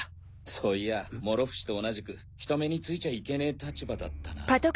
そういやぁ諸伏と同じく人目についちゃあいけねえ立場だったな。